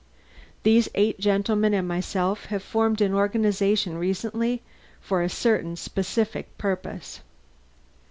"These eight gentlemen and myself have formed the organization recently for a certain specific purpose.